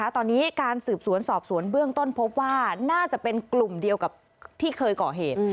ตอนนี้การสืบสวนสอบสวนเบื้องต้นพบว่าน่าจะเป็นกลุ่มเดียวกับที่เคยก่อเหตุ